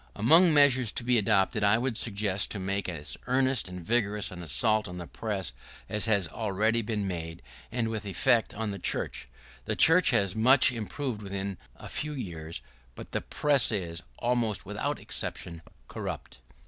[¶25] Among measures to be adopted, I would suggest to make as earnest and vigorous an assault on the press as has already been made, and with effect, on the church. The church has much improved within a few years; but the press is, almost without exception, corrupt.